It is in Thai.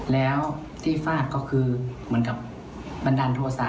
แล้วที่ฟาดก็คือเหมือนกับบันดาลโทษะ